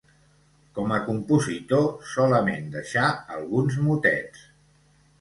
Com a compositor solament deixà alguns motets.